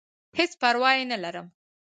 هېڅ پرواه ئې نۀ لرم -